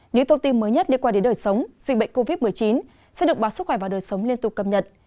những thông tin mới nhất liên quan đến đời sống dịch bệnh covid một mươi chín sẽ được báo sức khỏe và đời sống liên tục cập nhật